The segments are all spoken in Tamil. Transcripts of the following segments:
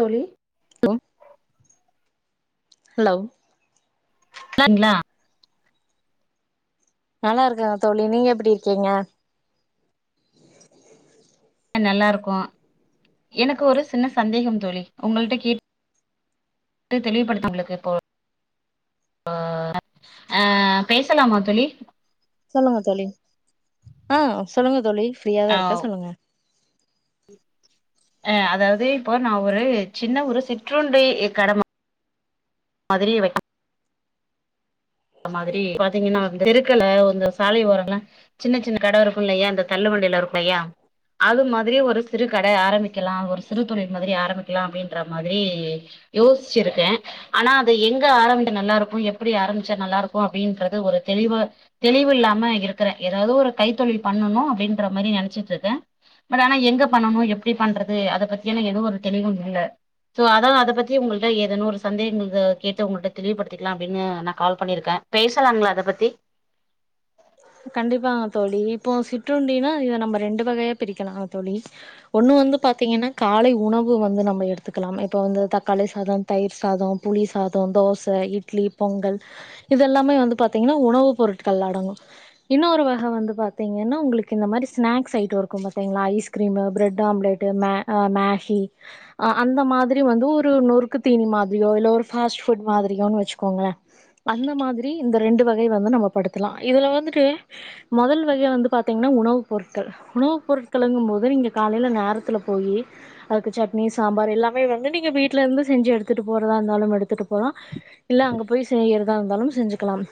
தோழி ஹலோ ஹலோ நல்லாருக்கீங்களா நல்லா இருக்கங்க தோழி நீங்க எப்டி இருக்கீங்க நல்லா இருக்கோம் எனக்கு ஒரு சின்ன சந்தேகம் தோழி உங்கள்ட்ட கேட் கேட்டு தெளிவுப்படுத்து எங்ளுக்கு இப்போ ஆ பேசலாமா தோழி சொல்லுங்க தோழி ஆ சொல்லுங்க தோழி ஃப்ரீயாதா ஆ இருக்கன் சொல்லுங்க அ அதாவது இப்போ நா ஒரு சின்ன ஒரு சிற்றுண்டி கட மா மாதிரி வைக் அந்த மாதிரி பாத்தீங்கன்னா தெருக்கல இந்த சாலை ஓரல்ல சின்ன சின்ன கட இருக்குன் இல்லயா இந்த தள்ளு வண்டியில இருக்குன் இல்லையா அது மாதிரியே ஒரு சிறு கட ஆரம்பிக்கலா ஒரு சிறு தொழில் மாதிரி ஆரம்பிக்கலா அப்டின்ற மாதிரி யோசிச்சிருக்கே ஆனா அது எங்க ஆரம்பிக்க நல்லா இருக்கு எப்டி ஆரம்ப ச்சாநல்லா இருக்கு அப்டின்றது ஒரு தெளிவா தெளிவு இல்லாம இருக்றே ஏதாது ஒரு கைத்தொழில் பண்ணுனு அப்டின்ற மாரி நெனச்சிட்டு இருக்கே பட் ஆனா எங்க பண்னுனும் எப்படி பண்றது அத பத்தியானா எதுவு ஒரு தெளிவும் இல்ல சோ அதா அத பத்தி உங்கள்ட்ட ஏதேன்னு ஒரு சந்தேகங்கள் கேட்டு ஒங்ககிட்ட தெளிவுப்படுத்திக்கலா அப்டின்னு கால் பண்ணிருக்கே பேசலாங்களா அத பத்தி கண்டிப்பாங்க தோழி இப்போ சிற்றுண்டினா இத நம்ம ரெண்டு வகையா பிரிக்கலாம்ங்க தோழி ஒண்ணு வந்து பாத்தீங்கனா காலை உணவு வந்து நம்ம எடுத்துக்கலாம் இப்ப வந்து தக்காளி சாதம் தயிர் சாதோ புளி சாதோ தோச இட்லி பொங்கல் இதெல்லாமே வந்து பாத்தீங்கனா உணவுப் பொருட்கள்ல அடங்கும் இன்னொரு வக வந்து பாத்தீங்கனா உங்களுக்கு இந்த மாரி ஸ்நாக்ஸ் ஐட்டம் இருக்கு பாத்தீங்ளா ஐஸ்கிரீம் ப்ரெட் ஆம்லெட் ட்டு மே மேகி அ அந்த மாதிரி வந்து ஒரு நொறுக்கு தீனி மாதிரியோ இல்ல ஒரு ஃபாஸ்ட் ஃபுட் மாதிரியோன்னு வச்சுக்கோங்களே அந்த மாதிரி இந்த ரெண்டு வகை வந்து நம்ம படுத்தலா இதுல வந்து ட்டு மொதல் வகையா வந்து பாத்தீங்னா உணவுப் பொருட்கள் உணவுப் பொருட்களுங் போது நீங்க காலையில நேரத்துல போயி அதுக்கு சட்னி சாம்பார் எல்லாமே வந்து நீங்க வீட்ல இருந்து செஞ்சு எடுத்துட்டு போறதா இருந்தாலு எடுத்துட்டு போலா இல்ல அங்க போய் செய்யறதா இருந்தாலு செஞ்சுக்கலாம்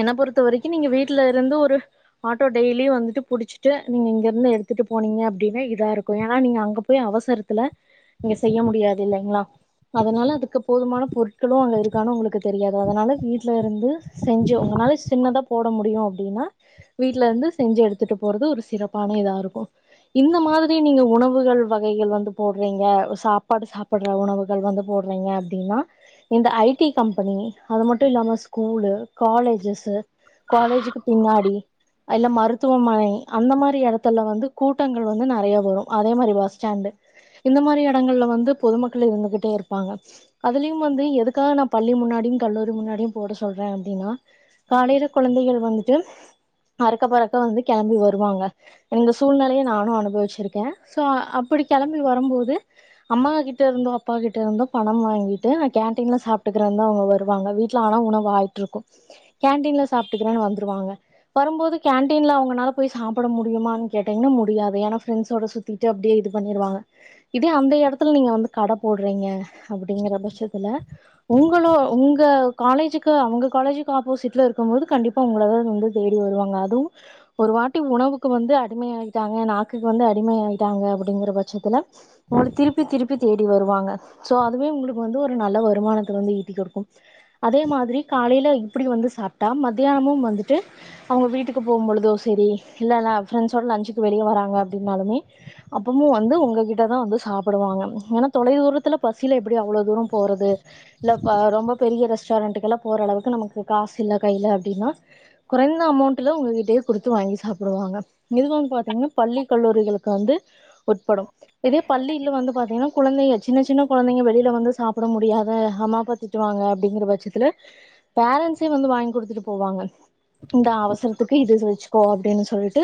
என்ன பொறுத்த வரைக்கு நீங்க வீட்ல இருந்து ஒரு ஆட்டோ டெய்லியு வந்துட்டு புடிச்சிட்டு நீங்க இருந்து எடுத்துட்டு போனீங்க அப்டின்னா இதா இருக்கு ஏன்னா நீங்க அங்கப் போய் அவசரத்துல இங்க செய்ய முடியாது இல்லைங்களா அதனால அதுக்கு போதுமான பொருட் கள்ளுஜஅங்க இருக்கானு உங்குளுக்கு தெரியாது அதனால வீட்ல இருந்து செஞ்சு உங்னாலே சின்னதா போட் போட முடியு அப்டின்னா வீட்ல இருந்து செஞ்சு எடுத்துட்டு போறது ஒரு சிறப்பான இதா இருக்கு இந்த மாதிரி நீங்க உணவுகள் வகைகள் வந்து போடுறீங்க சாப்பாடு சாப் ட்ற உணவுகள் வந்து போட்றீங்க அப்டின்னா இந்த ஐடி கம்பெனி அது மட்டு இல்லாம ஸ்கூலு காலேஜஸ்சு காலேஜ்க்கு பின்னாடி இல்ல மருத்துவமனை அந்த மாறி இடத்துல வந்து கூட்டங்கள் வந்து நெறைய வரு அதே மாறி பஸ் ஸ்டாண்டு இந்த மாறி இடங்கள்ல வந்து பொதுமக்கள் இருந்துகிட்டே இருப்பாங்க அதுலயு வந்து எதுக்காக நா பள்ளி முன்னாடியு கல்லூரி முன்னாடியு போட சொல்றே அப்டின்னா காலையில வந்துட்டு அறக்க பறக்க வந்து கிளம்பி வருவாங்க இந்த சூழ்நிலைய நானு அனுபவிச்சிருக்கே சோ அப்டி கெளம்பி வரும்போது அம்மா கிட்ட இருந்தோ அப்பாக்கிட்ட இருந்து பண வாங்கிட்டு கேன்டீன்ல சாப்பிட்டுக்கிற இருந்து அவங்க வருவாங்க வீட்ல ஆனா உணவாயிட்டு இருக்கு கேன்டீன்ல சாப்பிட்டுக்கிறன்னு வந்துருவாங்க வரும்போது கேன்டீன்ல அவங்களால போய் சாப்பிட முடியுமான்னு கேட்டீங்கன்னா முடியாது ஏனா ப்ரெண்ட்ஸோட சுத் சுத்திட்டு அப்டியே இது பண்ணிருவாங்க இதே அந்த இடத்துல நீங்க வந்து கடை போடுறீங்க அப்படிங்கற பட்சத்துல உங்களோ உங்க காலேஜ்க்கு அவங்க காலேஜ்க்கு ஆப்போசிட்ல இருக்கு போது கண்டிப்பா உங்களதா வந்து தேடி வருவாங்க அதுவு ஒரு வாட்டி உணவுக்கு வந்து அடிமைையகிட்டாங்க நாக்குக்கு வந்து அடிமை ஆயிட்டாங்க அப்டிங்கிற பட்சத்துல உங்கள திருப்பி திருப்பி தேடி வருவாங்க சோ அதுவே உங்களுக்கு வந்து ஒரு நல்ல வருமானத் வந்து ஈட்டி கொடுக்கு அதே மாதிரி காலையில இப்டி வந்து சாப்டா மதியானமு வந்துட்டு அவங்க வீட்டுக்கு போகும்பொழுது செரி இல்ல ஃப்ரெண்ட்ஸோட லஞ்சுக்கு வெளிய வராங்க அப்டின்னாலுமே அப்ப அப்ப வந்து உங்ககிட்டதா அப்பிஉங்ஙவந்து சாப்பிடுவாங்க அப்பறாமா வவந்துஏன்னா தொலை தூரத்துல பசியில எப்டி அவ்வளவு தூர போறது இல்லபா ரொம்ப பெரிய ரெஸ்டாரண்ட்டக்கெல்லா போற அளவுக்கு நமக்கு காசு இல்ல கையில அப்டின்னா குறைந்த அமௌண்ட்ல உங்க கிட்டயே கொடுத்து வாங்கி சாப்புடுவாங்க இது வந்து பாத்தீங்கன்னா பள்ளி கல்லூரிகளுக் வந்து உட்படு இதே பள்ளியில் வந்து பாத்தீங்கன்னா குழந்தைகள் சின்ன சின்ன குழந்தைங்க வெளியில வந்து சாப்பிட முடியாத அம்மாஅப்பா திட்டுவாங்க அப்டிங்கிற பட்சத்துல பேரண்ட்ஸே வந்து வாங்கி கொடுத்துட்டு போவாங்க இந்த அவசரத்துக்கு இது செஞ்சு போ அப்டின்னு சொல்லிட்டு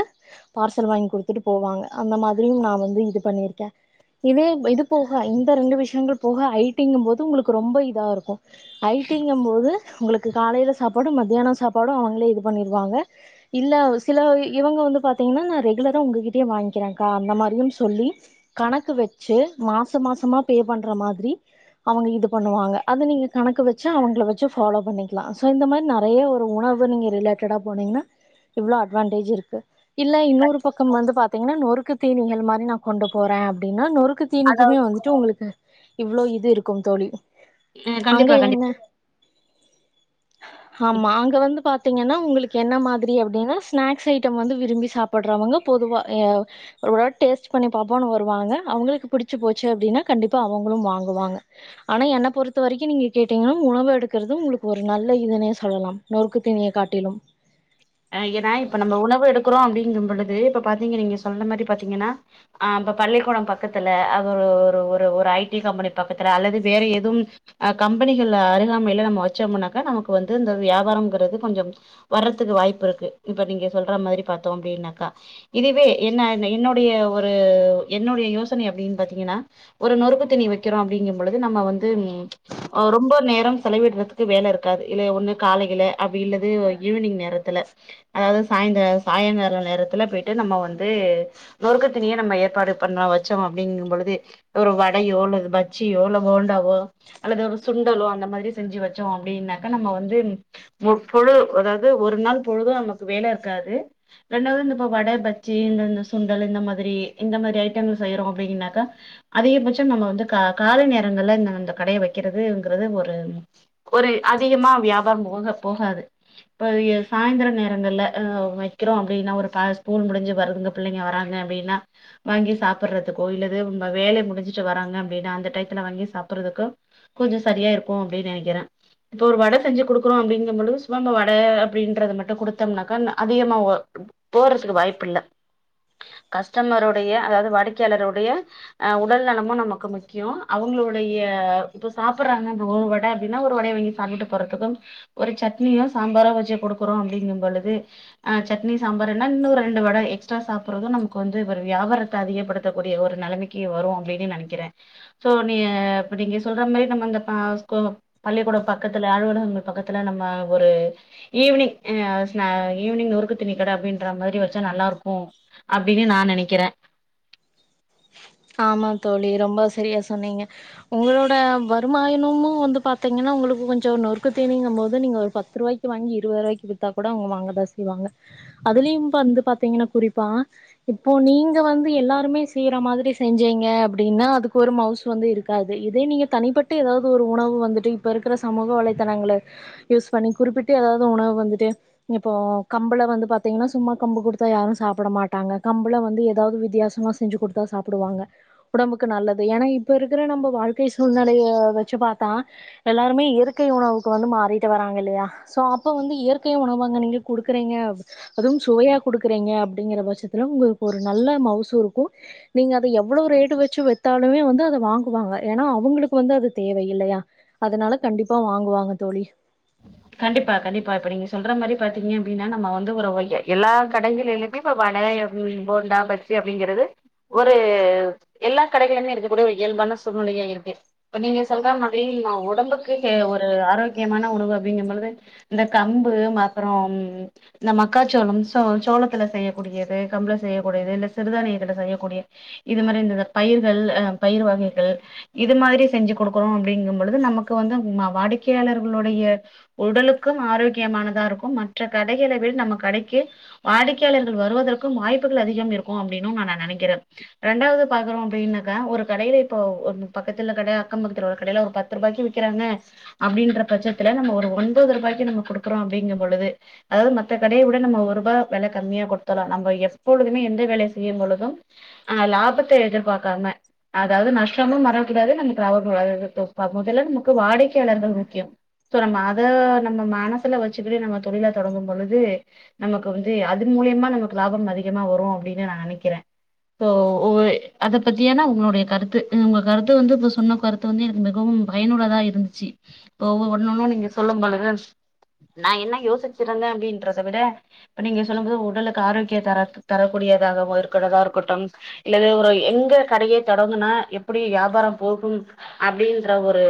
பார்சல் வாங்கி குடுத்துட்டு போவாங்க அந்த மாதிரியு நா வந்து இது பண்ணிருக்கே இதவே இது போக இந்த ரெண்டு விஷயங்கள் போக ஐட்டிங்கும் போது உங்களுக்கு ரொம்ப இதா இருக்கும் ஐட்டிங்கம் போது உங்களுக்கு காலையில சாப்பாடு மத்தியானம் சாப்பாடு அவங்களே இது பண்ணிருவாங்க இல்ல சில இவங்க வந்து பாத்தீங்கன்னா நா ரெகுலரா உங்ககிட்டயே வாங்கிக்கிறேன்க்கா அந்த மாதிரியு சொல்லி கணக்கு வச்சு மாசோ மாசோமா பே பண்ணுற மாதிரி அவங்க இது பண்ணுவாங்க அத நீங்க கணக்கு வச்ச அவங்க வச்சு ஃபாலோ பண்ணிக்கலா சோ இந்த மாதிரி நெறய ஒரு உணவு நீங்க ரிலேட்டடா போனீங்கன்னா இவ்வளோ அட்வான்டேஜ் இருக்கு இல்ல இன்னொரு பக்கம் வந்து பாத்தீங்கன்னா நொறுக்கு தீனகள் மாறி நா கொண்டு போறே அப்டின்னா நொறுக்கு தினிக்குமே வந்துட்டு உங்களுக்கு இவளோ இது இருக்கோ தோழி அங்க கண்டிப்பா கண்டிப் என்ன ஆமா அங்க வந்து பாத் தீங்கன்னா உங்களுக்கு என்ன மாதிரி அப்டின்னா ஸ்நாக்ஸ் ஐட்டம் வந்து விரும்பி சாப்டுறவங்க பொதுவா ஒருளவு டேஸ்ட் பண்ணி பாப்போனு வருவாங்க அவங்களுக்கு புடிச்சு போச்சு அப்டின்னா கண்டிப்பா அவங்களு வாங்குவாக ஆனா என்ன பொறுத்த வரைக்கு நீங்க கேட்டீங்கன்னா உணவு எடுக்கறது உங்களுக்கு ஒரு நாள் இதனே சொல்லா நொறுக்கு திணிய காட்டிலு அ ஏனா இப்ப நம்ப உணவு எடுக்கிறோ அப்டிங்கும் பொழுது இப்ப பாத்தீங்க நீங்க சொல்ற மாரி பாத்தீங்கன்னா ஆ இப்ப பள்ளிக்கூடம் பக்கத்துல அது ஒரு ஒரு ஐ டி கம்பெனி பக்கத்துல அல்லது வேற எதுவும் அ கம்பெனிகள் அருகாமையில நம்ம வச்சோம்னாக்க நமக்கு வந்து வியாபாரங்கிறது கொஞ்சோ வர்றதுக்கு வாய்ப்பு இருக்கு இப்ப நீங்க சொல்ற மாதிரி பாத்தோ அப்டின்னாக்கா இதுவே என்ன என்னுடைய ஒரு என்னுடைய யோசனை அப்டின்னு பாத்தீங்கன்னா ஒரு நொறுக்கு திணி வைக்கிறோ அப்டிங்க பொழுது நம்ம வந்து ரொம்ப நேரம் செலவிடுற்றதுக்கு வேல இருக்காது இல்ல ஒன்னு காலையில அப்டி இல்லது ஈவினிங் நேரத்துல அதாவ்து சாய்ந்த சாய்ங்காலோ நேரத்துல போய்ட்டு நம்ம வந்து நோறுக்கு தீனிய நம்ம ஏற்பாடு பண்ணோ வெச்சோம் அப்டிங்கும்பொழுது ஒரு வடையோ அல்லது பஜ்ஜியோ இல்ல போண்டாவோ அல்லது ஒரு சுண்டலோ அந்த மாதிரி செஞ்சு வெச்சோ அப்டின்னாக்கா நம்ம வந்து முப்பொழு அதாவுது ஒரு நாள் பொழுது நமக்கு வேல இருக்காது ரெண்டாவது இந்த இப்ப வட பஜ்ஜி இந்த சுண்டலு இந்த மாதிரி இந்த மாரி ஐட்டங்கள் செய்றோ அப்டிங்கனாக்கா அதிகபட்சம் நம்ம வந்து கா காலை நேரங்கள்ல இந்த இந்த கடயை வெக்கெறதுங்கறது ஒரு ஒரு அதிகமா வியாபாரம் போக போகாது இப்ப எ சாய்ந்தெர நேரங்கள்ல அ வெக்கெறோ அப்டின்னா ஒரு ப ஸ்கூல் முடுஞ்சு வருதுங்க பிள்ளெங்க வராங்க அப்டின்னா வாங்கி சாப்பட்றதுக்கோ இல்லது உங்க வேலை முடிஞ்சிட்டு வராங்க அப்டின்னா அந்த டையத்துல வாங்கி சாப்படுறதுக்கோ கொஞ்சொ செரியா இருக்கு அப்டின்னு நனக்கிறே இப்ப ஒரு வட செஞ்சு குடுக்குறோ அப்டிங்கும்பொழுது சுவம்ப வட அப்டின்றது மட்டு குடுத்தோம்னாக்கா அதிகமா ஓ போறதுக்கு வாய்ப்பில்ல கஸ்டமருடைய அதாவது வாடிக்கையாளருடைய அ உடல் நலமும் நமக்கு முக்கியொ அவங்களுடைய இப்ப சாப்புட்றாங்க அந்த ஒரு வட அப்டின்னா ஒரு வடைய வாங்கி சாப்புட்டு போறதுக்கும் ஒரு சட்னியோ சாம்பாரோ வெச்சு குடுக்குறோ அப்டிங்கும்பொழுது ஆ சட்னி சாம்பார்னா இன்னு ஒரு ரெண்டு வட எக்ஸ்ட்ரா சாப்புட்றது நமக்கு வந்து ஒரு வியாபாரத்த அதிகப்படுத்தக்கூடிய ஒரு நெலமெக் கி வரு அப்டின்னு நெனக்கிறே சோ நீ இப்ப நீங்க சொல்ற மாரி நம்ம அந்த பாஸ் கோ பள்ளிக்கூடொம் பக்கத்துல அலுவலகங்கள் பக்கத்துல நம்ம ஒரு ஈவினிங் ஸ்நே ஈவினிங் நோறுக்கு தீனிக்கட அப்டின்ற மாரி வெச்சா நல்லா இருக் கு அப்டின்னு நா நனக்கிறே ஆமா தோழி ரொம்ப செரியா சொன்னீங்க உங்களோட வருமாயனமு வந்து பாத்தீங்கன்னா உங்களுக்கு கொஞ்சொ நொறுக்கு தீனிங்கம்போது நீங்க ஒரு பத்துருவாய் க்கு வாங்கி இருவதுருவாய்க்கி வித்தா கூட அவ்ங்க வாங்கதா செய்வாங்க அதுலெயும் வந்து பாத்தீங்கன்னா குறிப்பா இப்போ நீங்க வந்து எல்லாருமே செய்ற மாதிரி செ செஞ்சீங்க அப்டின்னா அதுக்கு ஒரு மவுஸ் வந்து இருக்காது இதே நீங்க தனிப்பட்டு எதாவுது ஒரு உணவு வந்துட்டு இ இப்ப இருக்குற சமூக வலைதளங்கள யூஸ் பண்ணி குறிப்பிட்டு எதாவுது உணவு வந்துட்டு இப்போ கம்புள வந்து பாத்தீங்கன்னா சும்மா கம்பு குடுத்தா யாரு சாப்பட மாட்டாங்க கம்புள வந்து எதாவுது வித்தியாசமா செ செஞ்சு குடுத்தா சாப் புடுவாங்க உடம்புக்கு நல்லது எனா இப்ப இருக்குற நம்ப வாழ்க்கை சூழ்நெலைய வெச்சு பாத்தா எல்லாருமே இயற்கை உணவுக்கு வந்து மாறிட்டு வராங்க இல்லயா சோ அப்ப வந்து இயற்கை உணவங்க நீங்க குடுக்கறீங்க அதும் சுவையா குடுக்குறீங்க அப்பிடிங்கிற பட்சத்துல உங்குளுக்கு ஒரு நல்ல மவுசு இருக்கு நீங்க அத எவ்ளவு ரேட்டு வெச்சு வித்தாலுமே வந்து அத வாங்குவாங்க எனா அவுங்களுக்கு வந்து அது தேவ இல்லையா அதனால கண்டிப்பா வாங்குவாங்க தோழி கண்டிப்பா கண்டிப்பா இப்ப நீங்க சொல்ற மாரி பாத்தீங்க அப்டின்னா நம்ம வந்து ஒரு ஒய்ய எல்லா கடைங்களிலெ யுமே இப்ப வன எவலி போண்டா பஜ்ஜி அப்பிடிங்கெறது ஒரு எல்லாக் கடைகளில்மே இருக்கக்கூடிய ஒரு இயல்பான சூழ்நிலையா இருக்கு இப்ப நீங்க சொல்ற மாதிரி நா ஒடம்புக்கு ஒரு ஆரோக்கியமான உணவு அப்பிடிங்கம்பொழுது இந்த கம்பு மத்தறொம் இந்த மக்காச்சோளம் சோ சோளத்துல செய்யக்கூடியது கம்புள செய்யக்கூடியது இல்ல சிறுதானியத்துல செய்யக்கூடிய இது மாரி இந்த த பயிர்கள் அ பயிரு வகைகள் இது மாதிரி செஞ்சு குடுக்குறோ அப்பிடிங்கும்பொழுது நமக்கு வந்து அந் வாடிக்கையாளர்களுடைய உடலுக்கும் ஆரோக்கியமானதா இருக்கும் மற்ற கடைகெளவிட நம்ம கடக்கி வாடிக்கையாளர்கள் வருவதற்கும் வாய்ப்புகள் அதிகம் இருக்கு அப்பிடின்னு நா நா நனக்கிற ரெண்டாவது பாக்குறோ அப்டின்னக்கா ஒரு கடையில இப்ப ஒரு பக்கத்துல கட அக்கம் பக்கத்துல உள்ள கடையில ஒரு பத் துருபாயக்கி விக்கிறாங்க அப்டின்ற பட்சத்துல நம்ம ஒரு ஒன்பது ருபாய்க்கு நம்ம குடுக்குறோ அப்டிங்கும் பொழுது அதாது மத்த கடைய விட நம்ம ஒருபா வெல கம்மியா குடுத்தலா நம்ம எப்பொழுதுமே எந்த வேலைய செய்யும் பொழுதும் அ லாபத்த எதிர்பாக்காம அதாவுது நஷ்டமும் வரக்கூடாது நமக்கு லாபமும் வரக் [unintelligible] மொதல்ல நமக்கு வாடிக்கையாளர்கள் முக்கியம் சோ நம்ம அத நம்ம மனசுல வெச்சுக்கிடு நம்ம தொழில தொடங்கும் பொழுது நமக்கு வந்து அதன் மூலியமா நமக்கு லாபம் அதிகமா வரு அப்டினு நா நெனைக்கிறே ஸோ ஒவ்வொரு அதபத்தியான உங்களுடைய கருத்து உங்க கருத்து வந்து இப்ப சொன்ன கரு த்து வந்து எனக்கு மிகவும் பயனுள்ளதா இருந்துச்சு இப்ப ஒன்னொன்னு நீங்க சொல்லும் பொழுது நா என்ன யோசிச்சிருந்தே அப்டின்றத விட இப்ப நீங்க சொல்லும் போது உடலுக்கு ஆரோக்கியத்தர தரக்கூடியதாகவு இருக்கறதாருக்கட்டும் இல்லது ஒரு எங்க கடைய தொடங்குனா எப்பிடி வியாபாரம் போகும் அப்டின்ற ஒரு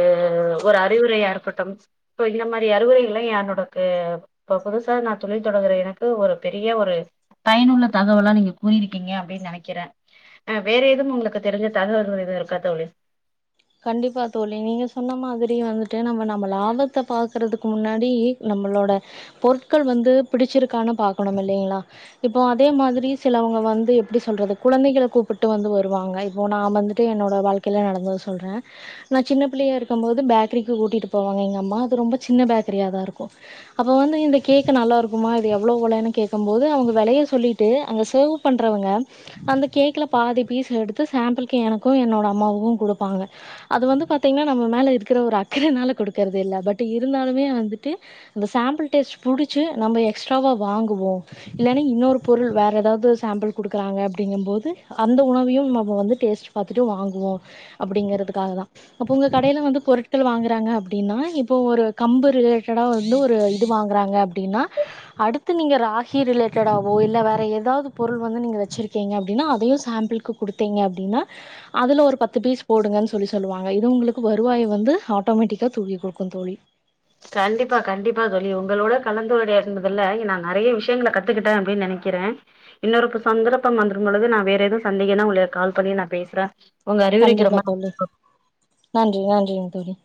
ஒரு அறிவுரையாருக் கட்டும் இப்ப இந்த மாரி அறிவுரைகள்லா யா என்னோடக்கு இப்ப புதுசா நா தொழில் தொடங்குற எனக்கு ஒரு பெரிய ஒரு பயனுள்ள தகவலா நீங்க கூறியிருக்கீங்க அப்டின் நெனைக்கிற அ வேற எதும் உங்குளுக்கு தெரிஞ்ச தகவல்கள் எது இருக்கா தோழி கண்டிப்பா தோழி நீங்க சொன்ன மாதிரி வந்துட்டு நம்ம நம்ம லாபத்த பாக்கறதுக்கு முன்னாடி நம்மளோட பொருட்கள் வந்து பிடிச்சிருக்கானு பாக்கணுமில்லிங்களா இப்போ அதே மாதிரி சிலவங்க வந்து எப்டி சொல்றது குழந்தைகள கூப்புட்டு வந்து வருவாங்க இப்போ நா வந்துட் ட்டு என்னோட வாழ்க்கைல நடந்தத சொல்ற நா சின்ன பிள்ளையா இருக்கும் போது பேக்கரிக்கு கூட்டிட்டு போவாங்க எங்கம்மா அது ரொம்ப சின்ன பேக்கரியாதாருக்கு அப்போ வந்து இந்த கேக்கு நல்லாருக்குமா இது எவ்ளோ வெலன் கேக்கம் போது அவுங்க வெலய சொல்லிட் ட்டு அங்க சேவ் பண்றவங்க அந்த கேக்குல பாதி பீஸ எடுத்து சாம்பிள்க்கு எனக்கு என்னோட அம்மாவுக்கு குடுப்பாங்க அது வந்து பாத்தீங்ன்னா நம்ம மேல இருக்கிற ஒரு அக்கறனால குடுக்கறதில்ல பட் இருந்தாலுமே வந்துட்டு இந்த சாம்பிள் டேஸ்ட் புடிச்சு நம்ம எக்ஸ்ட்ராவா வாங்குவோ இல்லைனா இன்னொரு பொருள் வேற எதாவ்து சாம்பிள் குடுக்குறாங்க அப்டிங்கம்போது அந்த உணவையு நம்ம வந்து டேஸ்ட் பாத்துட்டு வாங்குவோ அப்படிங்கறதுக்காகதா அப்ப உங்க கடையில வந்து பொருட்கள் வாங்குறாங்க அப்டீனா இப்போ ஒரு கம்பு ரிலேட்டடா வந்து ஒரு இது வாங்குறாங்க அப்டீனா அடுத்து நீங்க ராகி ரிலேட்டடோவோ இல்ல வேற எதாவ்து பொருள் வந்து நீங்க வெச்சிருக்கீங்க அப்டீனா அதயு சாம்பிள்க்கு குடுத்தீங்க அப்டீனா அதுல ஒரு பத்து பீஸ் போடுங்கன் சொல்லி சொல்லுவாங்க இது உங்களுக்கு வருவாய வந்து ஆட்டோமேட்டிக்கா தூக்கி் குடுக்கு தோழி கண்டிப்பா கண்டிப்பா தோழி உங்களோட கலந்துறையாடந்துதுல நா நெறைய விஷியங்கள கத்துக்கிட்டே அப்டின் நெனைக்கிறே இன்னொருப்ப சந்தரப்பம் வந்திரும் பொழுது நா வேற எதவு சந்தேகேனா உங்களுக்கு கால் பண்ணி நா பேசுறே உங்க அறிவுரைக்கு கண்டிப்பா ரொம்ப தோழி நன்றி நன்றிங் தோழி